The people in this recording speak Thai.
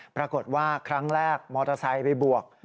ปรากฏว่าครั้งแรกมอเตอร์ไซค์ไปบวก